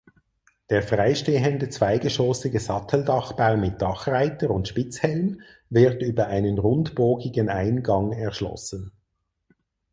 Der freistehende zweigeschossige Satteldachbau mit Dachreiter und Spitzhelm wird über einen rundbogigen Eingang erschlossen.